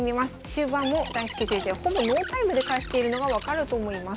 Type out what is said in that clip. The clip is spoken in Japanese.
終盤も大介先生はほぼノータイムで指しているのが分かると思います。